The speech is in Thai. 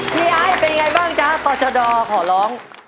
พี่อายเป็นยังไงบ้างจ๊ะตอชะดอขอร้อง